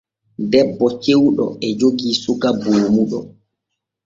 Debbo cewɗo e jogii suka boomuɗo.